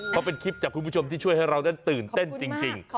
เพราะเป็นคลิปจากคุณผู้ชมที่ช่วยให้เรานั้นตื่นเต้นจริง